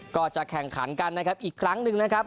ก็จะแข่งขันกันนะครับอีกครั้งหนึ่งนะครับ